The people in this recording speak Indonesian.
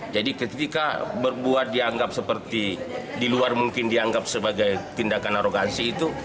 jadi ketika berbuat dianggap seperti di luar mungkin dianggap sebagai tindakan arogansi itu